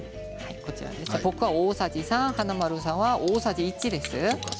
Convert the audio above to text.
僕は大さじ３華丸さんは大さじ１です。